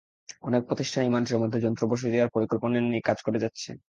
অনেক প্রতিষ্ঠানই মানুষের মধ্যে যন্ত্র বসিয়ে দেওয়ার পরিকল্পনা নিয়ে কাজ করে যাচ্ছে।